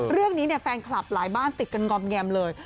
เรื่องนี้แฟนคลับหลายบ้านติดกันงอมแงมเลย